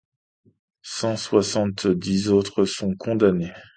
Cent soixante-dix autres sont condamnées.